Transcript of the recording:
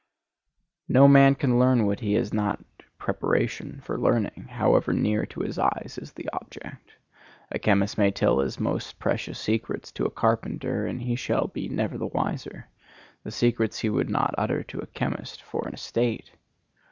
No man can learn what he has not preparation for learning, however near to his eyes is the object. A chemist may tell his most precious secrets to a carpenter, and he shall be never the wiser,—the secrets he would not utter to a chemist for an estate.